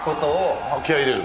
気合入れる？